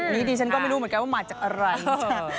นี่ดิฉันก็ไม่รู้เหมือนกันว่ามาจากอะไร